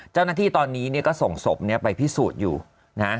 เจ้าหน้าที่ตอนนี้เนี่ยก็ส่งศพเนี่ยไปพิสูจน์อยู่นะฮะ